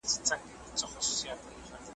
ډوډۍ که پردۍ وه ګیډه خو دي خپله وه